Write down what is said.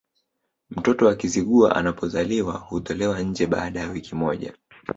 Mtoto wa Kizigua anapozaliwa hutolewa nje baada ya wiki moja